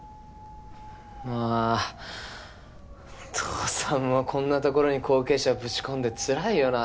まあ父さんもこんな所に後継者をぶち込んでつらいよな。